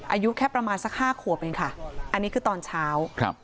อายุแค่ประมาณสักห้าขวบเองค่ะอันนี้คือตอนเช้าครับ